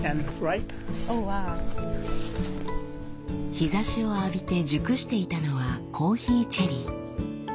日ざしを浴びて熟していたのはコーヒーチェリー。